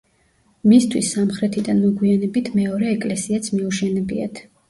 მისთვის სამხრეთიდან მოგვიანებით მეორე ეკლესიაც მიუშენებიათ.